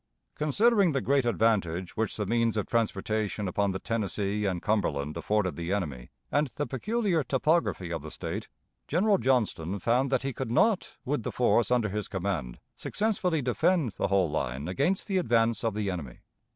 Considering the great advantage which the means of transportation upon the Tennessee and Cumberland afforded the enemy, and the peculiar topography of the State, General Johnston found that he could not with the force under his command successfully defend the whole line against the advance of the enemy.